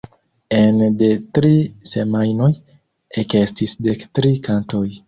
Ene de tri semajnoj ekestis dek tri kantoj.